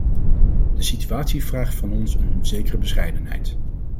De situatie vraagt van ons een zekere bescheidenheid.